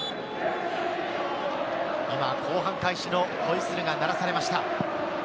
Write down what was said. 今、後半開始のホイッスルが鳴らされました。